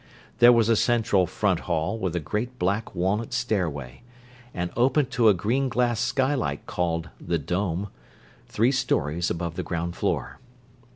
There was a central "front hall" with a great black walnut stairway, and open to a green glass skylight called the "dome," three stories above the ground floor.